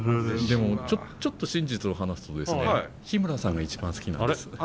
でもちょっと真実を話すとですね日村さんが一番好きなんです。